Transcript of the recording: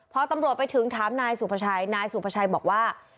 พอตำรวจไปถึงถามนายสุภาชัยนายสุภาชัยบอกว่า